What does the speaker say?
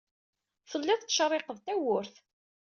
Tellid tettcerriqed tawwurt.